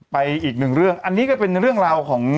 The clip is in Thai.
อีกหนึ่งเรื่องอันนี้ก็เป็นเรื่องราวของ